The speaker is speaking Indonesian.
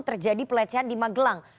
terjadi pelecehan di magelang